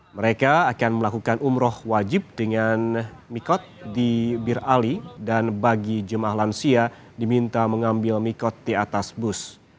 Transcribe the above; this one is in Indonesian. mereka akan melakukan umroh wajib dengan mikot di bir ali dan bagi jemaah lansia diminta mengambil mikot di atas bus